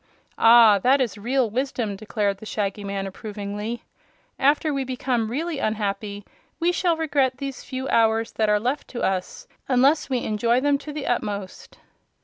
"Ah! that is real wisdom," declared the Shaggy Man, approvingly. "After we become really unhappy we shall regret these few hours that are left to us, unless we enjoy them to the utmost."